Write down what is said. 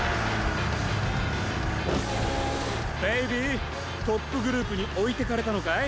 ベイビートップグループにおいてかれたのかい？